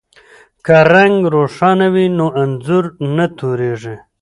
که رنګ روښانه وي نو انځور نه توریږي.